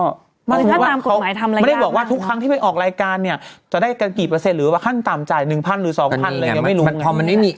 สมมุติว่าเขาไม่ได้บอกว่าทุกครั้งที่ไปออกรายการเนี่ยจะได้กี่เปอร์เซ็นต์หรือว่าขั้นตามจ่ายหนึ่งพันหรือสองพันเลยยังไม่รู้